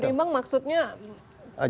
belum berimbang maksudnya